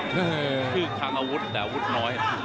ชื่อคำอาวุธแต่อาวุธน้อย